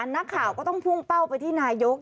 นักข่าวก็ต้องพุ่งเป้าไปที่นายก